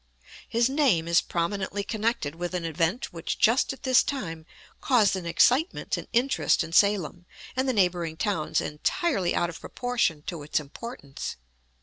His name is prominently connected with an event which just at this time caused an excitement and interest in Salem and the neighboring towns entirely out of proportion to its importance.